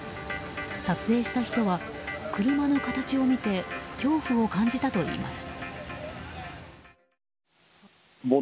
撮影した人は車の形を見て恐怖を感じたといいます。